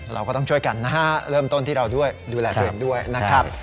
เราก็ต้องช่วยกันนะฮะเริ่มต้นที่เราด้วยดูแลตัวเองด้วยนะครับ